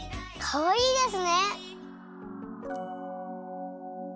かわいいですね！